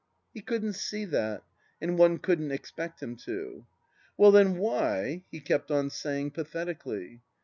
He couldn't see that. And one couldn't expect him to. " Well, then, why ?..." he kept on saying, pathetic ally.